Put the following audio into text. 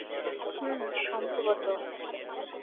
হুম, সম্ভবত।